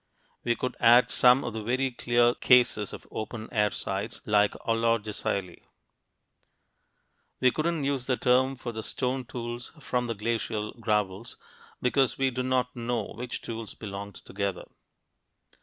We could add some of the very clear cases of open air sites, like Olorgesailie. We couldn't use the term for the stone tools from the glacial gravels, because we do not know which tools belonged together.